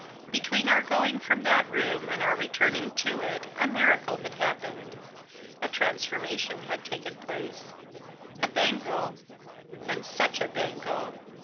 Between our going from that room and our returning to it a miracle had happened ; a transformation had taken place ; a bangle — and such a bangle!